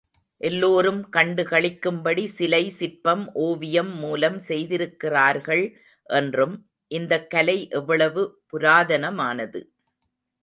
எல்லோரும் கண்டு களிக்கும்படி சிலை, சிற்பம், ஓவியம் மூலம் செய்திருக்கிறார்கள் என்றும், இந்தக் கலை எவ்வளவு புராதனமானது.